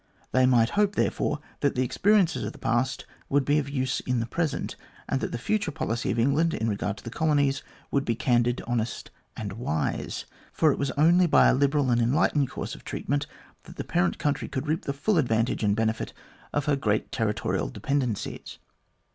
They might hope, therefore, that the ex periences of the past would be of use in the present, and that the future policy of England in regard to the colonies would be candid, honest, and wise; for it was only by a liberal and enlightened course of treatment that the parent country could reap the full advantage and benefit of her great territorial dependencies.